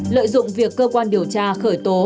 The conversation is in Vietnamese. lợi dụng việc cơ quan điều tra khởi tố